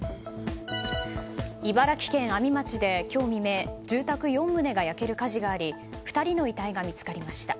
茨城県阿見町で、今日未明住宅４棟が焼ける火事があり２人の遺体が見つかりました。